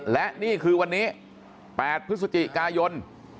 และนี่คือวันนี้๘พฤศจิกายน